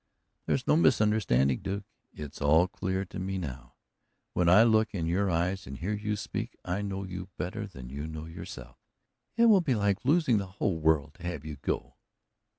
"There's no misunderstanding, Duke it's all clear to me now. When I look in your eyes and hear you speak I know you better than you know yourself. It will be like losing the whole world to have you go!"